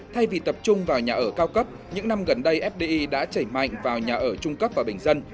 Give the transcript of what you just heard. thay vì tập trung vào nhà ở cao cấp những năm gần đây fdi đã chảy mạnh vào nhà ở trung cấp và bình dân